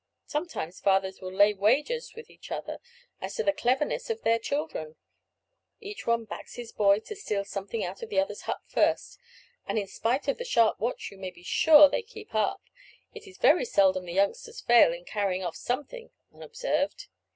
Sometimes fathers will lay wagers with each other as to the cleverness of their children; each one backs his boy to steal something out of the other's hut first, and in spite of the sharp watch you may be sure they keep up, it is very seldom the youngsters fail in carrying off something unobserved.